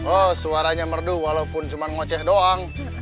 oh suaranya merdu walaupun cuma ngoceh doang